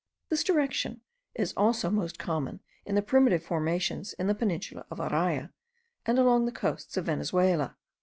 This direction is also most common in the primitive formations in the peninsula of Araya, and along the coasts of Venezuela.